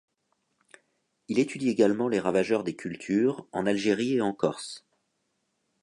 Il étudie également les ravageurs des cultures en Algérie et en Corse.